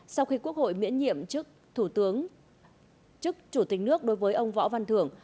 sau khi quốc hội miễn nhiệm chức chủ tịch nước đối với ông võ văn thưởng